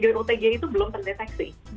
join otg itu belum terdeteksi